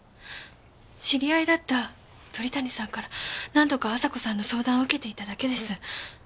知り合いだった鳥谷さんから何度か亜沙子さんの相談を受けていただけです。